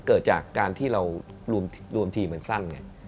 เกิดจากการที่เรารวมทีมมันสั้นไง